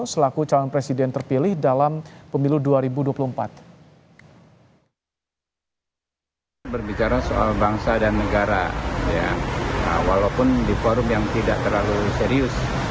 selaku calon presiden terpilih dalam pemilu dua ribu dua puluh empat